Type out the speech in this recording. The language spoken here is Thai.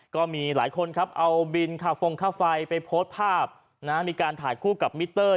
ก็มีหลายคนครับเอาบินค่าฟงค่าไฟไปโพสต์ภาพมีการถ่ายคู่กับมิเตอร์